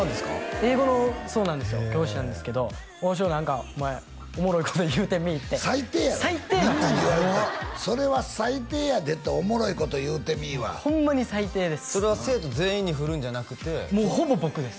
英語の教師なんですけど旺志郎何かお前おもろいこと言うてみいって最低やろみんなに言われてたそれは最低やでとおもろいこと言うてみいはホンマに最低ですそれは生徒全員に振るんじゃなくてほぼ僕です